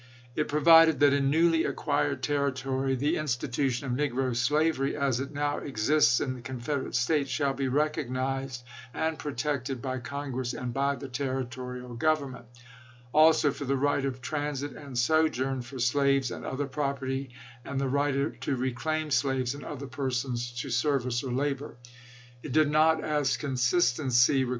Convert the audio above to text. It provided that in newly acquired territory 'the institution of negro slavery, as it now exists in the Confederate States, shall be recognized and protected by Congress and by the Territorial Government'; also for the right of tran sit and sojourn for 'slaves and other property,' and the right to reclaim ' slaves and other persons ' to THE MONTGOMERY CONFEDERACY 199 service or labor. It did not, as consistency re chap.